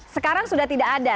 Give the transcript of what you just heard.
sekarang sudah tidak ada